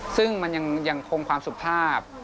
ซึ่งมันยังคงความสุภาพ